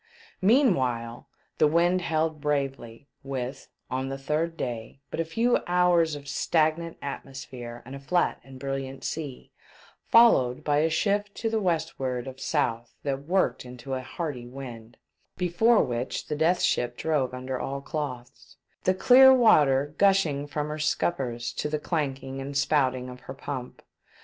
Meanwhile, the wind held bravely, with — on the third day — but a few hours of stag nant atmosphere and a flat and brilliant sea, followed by a shift into the westward of south that worked into a hearty wind, before which the Death Ship drove under all cloths, the clear water gushing from her scup pers to the clanking and spouting of her pump.